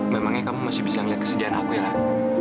memangnya kamu masih bisa ngeliat kesedihan aku ya lah